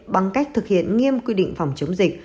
bằng cách thực hiện nghiêm quy định phòng chống dịch